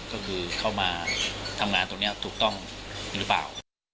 ก็คือเข้ามาทำงานตรงนี้ถูกต้องหรือเปล่า